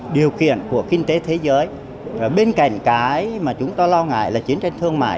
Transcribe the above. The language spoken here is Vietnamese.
điều kiện của kinh tế thế giới bên cạnh cái mà chúng ta lo ngại là chiến tranh thương mại